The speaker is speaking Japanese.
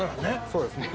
そうですね。